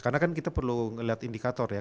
karena kan kita perlu ngelihat indikator ya